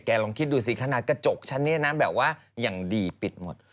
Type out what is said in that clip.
ลองคิดดูสิขนาดกระจกฉันเนี่ยนะแบบว่าอย่างดีปิดหมด